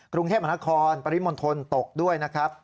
กรุงเทพมหานครปริมณฑลตกด้วยนะครับ